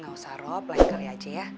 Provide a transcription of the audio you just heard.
gak usah rob lain kali aja ya